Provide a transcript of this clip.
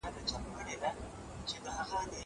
زه به سبا لیکل وکړم!